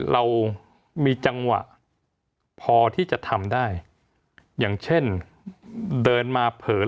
เรามีจังหวะ